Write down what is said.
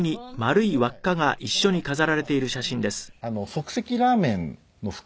即席ラーメンの袋